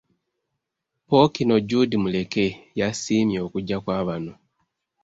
Ppookino Jude Muleke yasiimye okujja kwa bano.